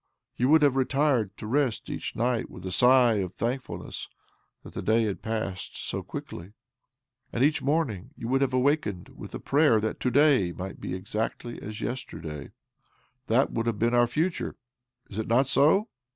Yon would have retired to rest each night with a sigh of thankfulness that the day had passed so quickly ; and each morning you would have OBLOMOV 227 awakened with a prayer that to day might be exactly as yesterday. Thai would have been our future. Is it not so?